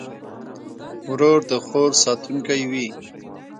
ورور د خور ساتونکی وي.